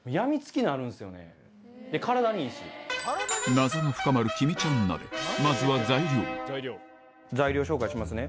謎が深まるきみちゃん鍋まずは材料材料紹介しますね